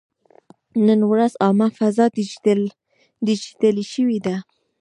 نن ورځ عامه فضا ډیجیټلي شوې ده.